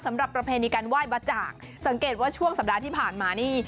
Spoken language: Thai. ประเพณีการไหว้บ้าจากสังเกตว่าช่วงสัปดาห์ที่ผ่านมานี่